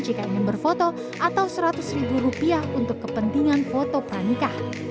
jika ingin berfoto atau seratus ribu rupiah untuk kepentingan foto pranikah